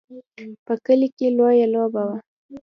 په کلي کې لویه لوبه وه.